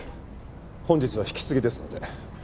本日は引き継ぎですので。